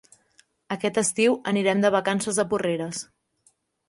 Aquest estiu anirem de vacances a Porreres.